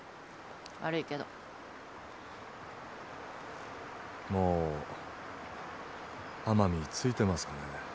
悪いけどもう奄美着いてますかね？